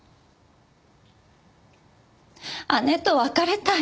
姉と別れたい。